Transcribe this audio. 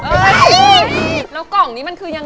แล้วกล่องนี้มันคือยังไงจะรวมยังไง